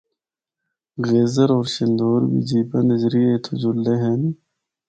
غذر ہور شندور بھی جیپاں دے ذریعے اِتھیو جُلدے ہن۔